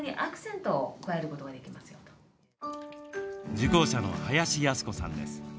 受講者の林泰子さんです。